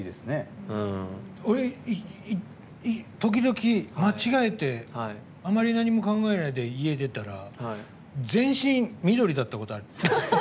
俺、時々、間違えてあんまり何も考えないで家出たら、全身緑だったことある。